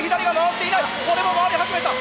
これも回り始めた！